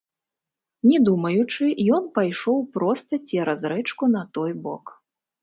Не думаючы, ён пайшоў проста цераз рэчку на той бок.